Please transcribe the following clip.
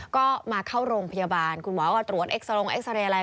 ก็มาเข้าโรงพยาบาลคุณหมอก็ตรวจเอ็กซารงเอ็กซาเรย์อะไร